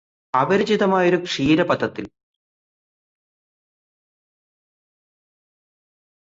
അപരിചിതമായൊരു ക്ഷീരപഥത്തില്